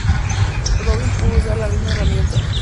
Robin puede usar las mismas herramientas.